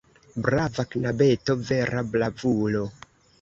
Brava knabeto, vera bravulo!